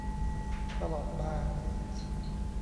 ตลอดมา